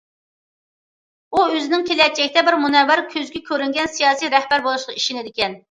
ئۇ ئۆزىنىڭ كېلەچەكتە بىر مۇنەۋۋەر، كۆزگە كۆرۈنگەن سىياسىي رەھبەر بولۇشىغا ئىشىنىدىكەن.